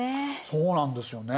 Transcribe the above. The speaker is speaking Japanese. そうなんですよね。